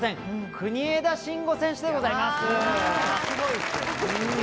国枝慎吾選手でございます。